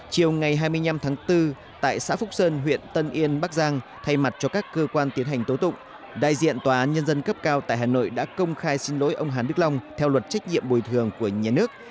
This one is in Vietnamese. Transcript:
chiều ngày hai mươi năm tháng bốn tại xã phúc sơn huyện tân yên bắc giang thay mặt cho các cơ quan tiến hành tố tụng đại diện tòa án nhân dân cấp cao tại hà nội đã công khai xin lỗi ông hà đức long theo luật trách nhiệm bồi thường của nhà nước